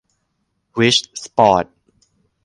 ริช สปอร์ต